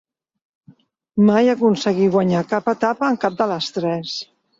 Mai aconseguí guanyar cap etapa en cap de les tres.